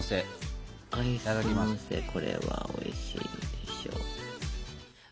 これはおいしいでしょ！